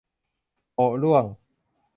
โอะร่วง